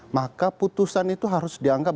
maka putusan itu harus dianggap